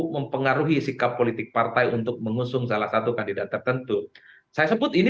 mempengaruhi sikap politik partai untuk mengusung salah satu kandidat tertentu saya sebut ini